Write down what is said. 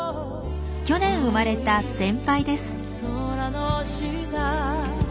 去年生まれた先輩です。